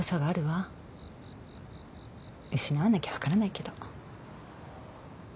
失わなきゃ分からないけど。